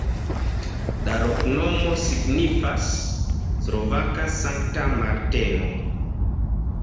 La loknomo signifas: slovaka-Sankta Marteno.